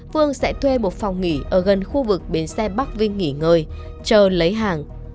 phương sẽ thuê một phòng nghỉ ở gần khu vực bến xe bắc vinh nghỉ ngơi chờ lấy hàng